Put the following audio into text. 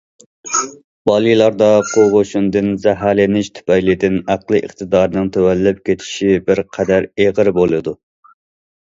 بالىلاردا قوغۇشۇندىن زەھەرلىنىش تۈپەيلىدىن ئەقلىي ئىقتىدارىنىڭ تۆۋەنلەپ كېتىشى بىر قەدەر ئېغىر بولىدۇ.